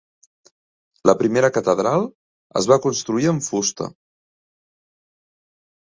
La primera catedral es va construir amb fusta.